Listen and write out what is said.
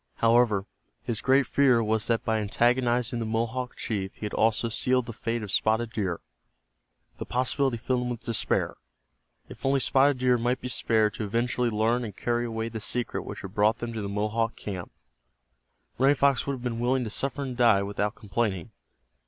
However, his great fear was that by antagonizing the Mohawk chief he had also sealed the fate of Spotted Deer. The possibility filled him with despair. If only Spotted Deer might be spared to eventually learn and carry away the secret which had brought them to the Mohawk camp, Running Fox would have been willing to suffer and die without complaining.